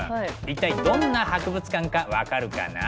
一体どんな博物館か分かるかな？